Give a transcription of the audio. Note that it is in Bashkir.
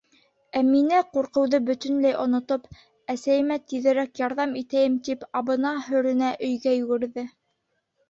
Әминә ҡурҡыуҙы бөтөнләй онотоп, әсәйемә тиҙерәк ярҙам итәйем тип, абына-һөрөнә өйгә йүгерҙе.